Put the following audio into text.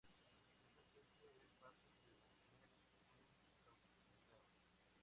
Esta especie es fácil de mantener en cautividad.